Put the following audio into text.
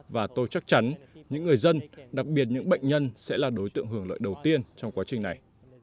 và tôi chắc chắn những người dân đặc biệt những bệnh nhân sẽ là đối tượng hưởng lợi đầu tiên trong quá trình này